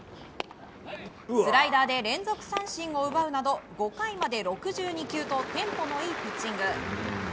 スライダーで連続三振を奪うなど５回まで６２球とテンポのいいピッチング。